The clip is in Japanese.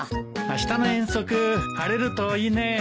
あしたの遠足晴れるといいね。